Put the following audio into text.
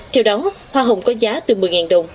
theo đó hoa hồng có giá từ một mươi đồng